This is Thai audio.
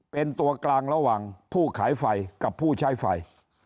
เป็นตัวกลางระหว่างผู้ขายไฟกับผู้ใช้ไฟ